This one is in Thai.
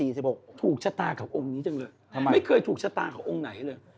ผู้เป็นอะไรทุกรุ่นทุกรุ่นนี้จังเลยไม่เคยถูกษาตาขององค์ไหนเลย